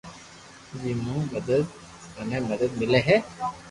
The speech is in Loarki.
جي مون مني مدد ملي ھي